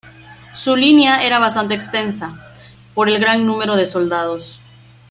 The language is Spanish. Su línea era bastante extensa, por el gran número de soldados.